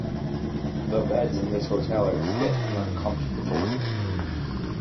The beds in this hotel are stiff and uncomfortable.